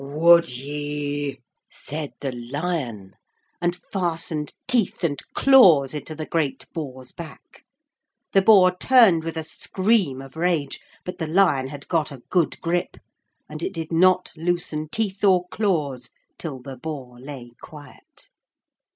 would ye?' said the lion, and fastened teeth and claws in the great boar's back. The boar turned with a scream of rage, but the lion had got a good grip, and it did not loosen teeth or claws till the boar lay quiet.